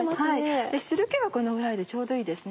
汁気はこのぐらいでちょうどいいですね。